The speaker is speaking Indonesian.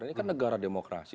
ini kan negara demokrasi